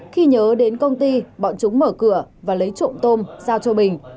khi nhớ đến công ty bọn chúng mở cửa và lấy trộm tôm giao cho bình